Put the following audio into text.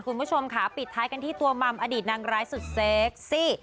คุณผู้ชมค่ะปิดท้ายกันที่ตัวมัมอดีตนางร้ายสุดเซ็กซี่